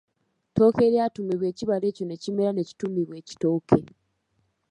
Ttooke eryatuumibwa ekibala ekyo n’ekimera ne kituumibwa ekitooke.